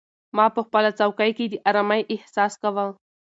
ما په خپله څوکۍ کې د ارامۍ احساس کاوه.